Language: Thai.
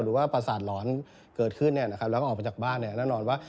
หรือประสานหลอนเกิดขึ้นแล้วก็ออกมาจากบ้านแน่นอนว่า